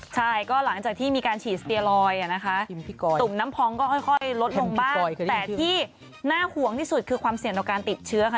ใช่ก็หลังจากที่มีการฉีดสเตียลอยนะคะตุ่มน้ำพองก็ค่อยลดลงบ้างแต่ที่น่าห่วงที่สุดคือความเสี่ยงต่อการติดเชื้อค่ะ